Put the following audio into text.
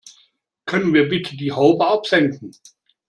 Können wir bitte die Haube absenken?